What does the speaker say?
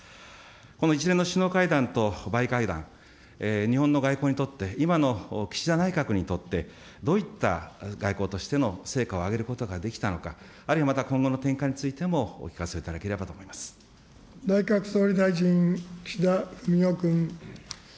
この一連の首脳会談とバイ会談、日本の外交にとって、今の岸田内閣にとって、どういった外交としての成果を上げることができたのか、あるいはまた今後の展開についてもお聞かせいただければと思いま内閣総理大臣、岸田文雄君。